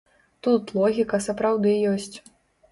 Тут логіка сапраўды ёсць.